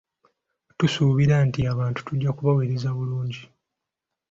Tusuubira nti abantu tujja kubaweereza bulungi.